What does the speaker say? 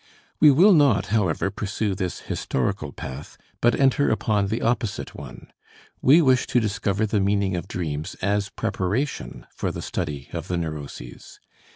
We will not, however, pursue this historical path, but enter upon the opposite one. We wish to discover the meaning of dreams as preparation for the study of the neuroses.